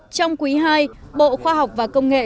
trong quý ii bộ khoa học và công nghệ